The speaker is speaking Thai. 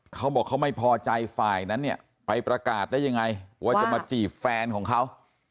เขาบอกเขาไม่พอใจฝ่ายนั้นเนี่ยไปประกาศได้ยังไงว่าจะมาจีบแฟนของเขา